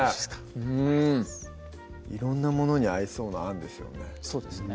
うん色んなものに合いそうなあんですよね